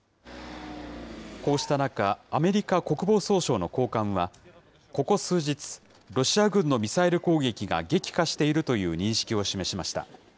こうした中、アメリカ国防総省の高官は、ここ数日、ロシア軍のミサイル攻撃が激化しているという認識を示しました。